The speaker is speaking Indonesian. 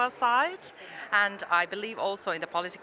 dan saya juga percaya di bagian politik